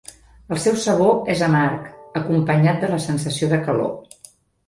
El seu sabor és amarg acompanyat de la sensació de calor.